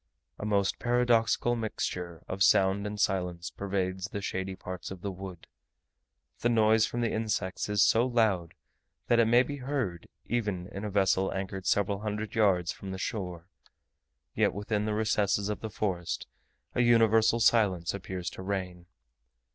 A most paradoxical mixture of sound and silence pervades the shady parts of the wood. The noise from the insects is so loud, that it may be heard even in a vessel anchored several hundred yards from the shore; yet within the recesses of the forest a universal silence appears to reign.